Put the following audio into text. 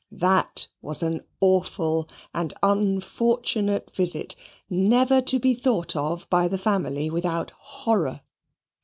That was an awful and unfortunate visit, never to be thought of by the family without horror.